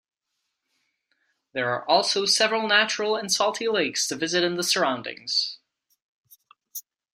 There are also several natural and salty lakes to visit in the surroundings.